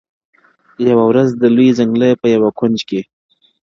يوه ورځ د لوى ځنگله په يوه كونج كي-